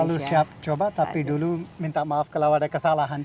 selalu siap coba tapi dulu minta maaf kalau ada kesalahan